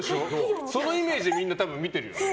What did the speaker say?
そのイメージでみんな多分見てるよ。